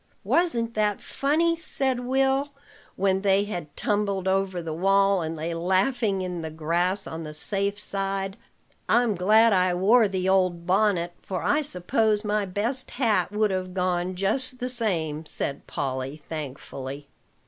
"Wasn't that funny?" said Will, when they had tumbled over the wall, and lay laughing in the grass on the safe side. "I'm glad I wore the old bonnet; for I suppose my best hat would have gone just the same," said Polly thankfully.